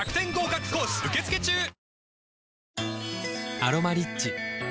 「アロマリッチ」